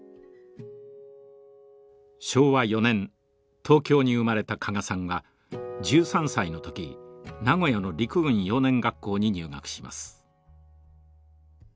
昭和４年東京に生まれた加賀さんは１３歳の時名古屋の陸軍幼年学校に入学します。